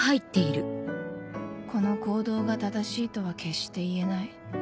この行動が正しいとは決して言えない